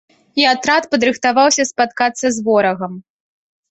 І атрад падрыхтаваўся спаткацца з ворагам.